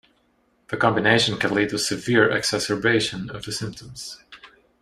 The combination can lead to severe exacerbation of the symptoms.